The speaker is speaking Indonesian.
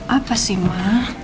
apa sih ma